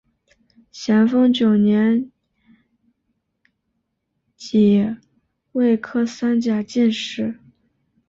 咸丰九年己未科三甲进士。